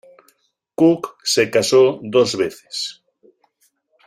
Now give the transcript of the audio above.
Cook se casó dos veces.